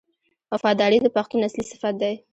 وفاداري د پښتون اصلي صفت دی.